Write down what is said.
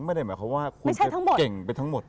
ไม่ได้หมายความว่าคุณจะเก่งไปทั้งหมด